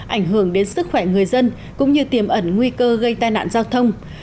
ảnh hưởng đến sức khỏe người dân cũng như tiềm ẩn nguy cơ gây tai nạn giao thông